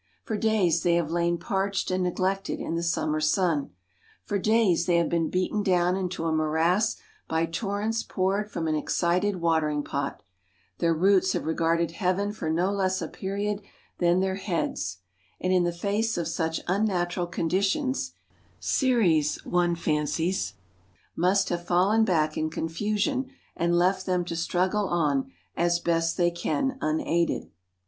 For days they have lain parched and neglected in the summer sun ; for days they have been beaten down into a morass by torrents poured from an excited watering pot ; their roots have regarded heaven for no less a period than their heads ; and in the face of such unnatural conditions Ceres, one fancies, must have fallen back in con fusion and left them to struggle on as best they can unaided.